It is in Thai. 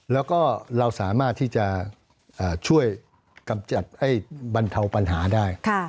แล้วก็เราสามารถที่จะช่วยบรรเทาปัญหาได้